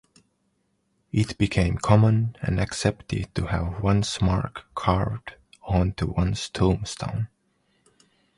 It became common and accepted to have one's mark carved onto one's tombstone.